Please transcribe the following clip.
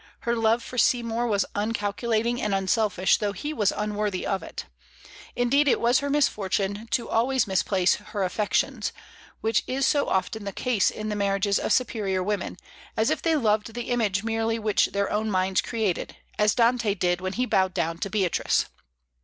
Her love for Seymour was uncalculating and unselfish, though he was unworthy of it. Indeed, it was her misfortune always to misplace her affections, which is so often the case in the marriages of superior women, as if they loved the image merely which their own minds created, as Dante did when he bowed down to Beatrice.